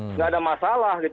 tidak ada masalah